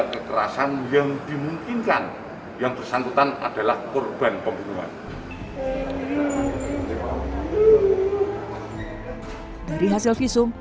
kekerasan yang dimungkinkan yang bersangkutan adalah korban pembunuhan dari hasil visum